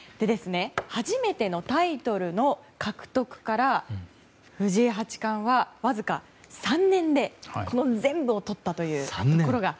初めてのタイトルの獲得から藤井八冠はわずか３年で全部をとったという。